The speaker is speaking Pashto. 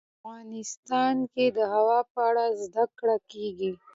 افغانستان کې د هوا په اړه زده کړه کېږي.